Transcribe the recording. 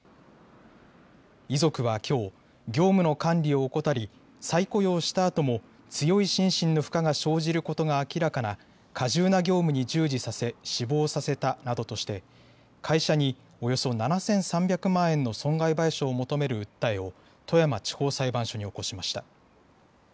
遺族はきょう業務の管理を怠り再雇用したあとも強い心身の負荷が生じることが明らかな過重な業務に従事させ死亡させたなどとして会社におよそ７３００万円の損害賠償を求める訴えを富山地方裁判所に起こしました。